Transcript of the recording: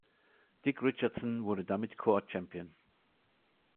Dick Richardson wurde damit Corps-Champion.